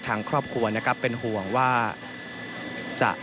มันคิดว่ามีประเภทหายลม